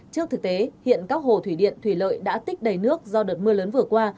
trước thực tế hiện các hồ thủy điện thủy lợi đã tích đầy nước do đợt mưa lớn vừa qua